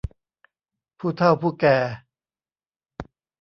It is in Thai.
ผู้เฒ่าผู้แก่